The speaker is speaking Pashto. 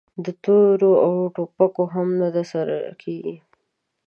د تورو او ټوپکو هم نه سره کېږي!